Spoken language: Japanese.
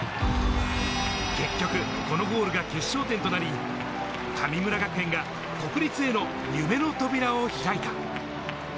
結局、このゴールが決勝点となり、神村学園が国立への夢の扉を開いた。